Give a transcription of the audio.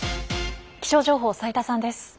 気象情報斉田さんです。